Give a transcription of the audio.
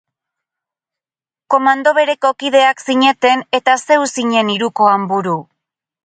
Komando bereko kideak zineten eta zeu zinen hirukoan buru.